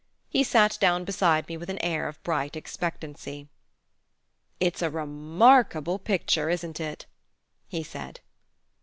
He sat down beside me with an air of bright expectancy. "It's a remarkable picture, isn't it?" he said.